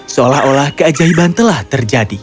seolah olah keajaiban telah terjadi